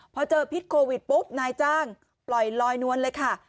พอเจอพิษโควิดปุ๊บนายจ้างปล่อยลอยนวลเลยค่ะ